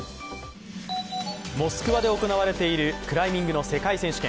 モスクワで行われているクライミングの世界選手権。